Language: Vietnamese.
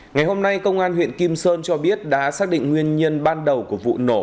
ngày hôm nay công an huyện kim sơn cho biết đã xác định nguyên nhân ban đầu của vụ nổ